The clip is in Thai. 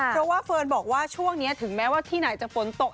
เพราะว่าเฟิร์นบอกว่าช่วงนี้ถึงแม้ว่าที่ไหนจะฝนตก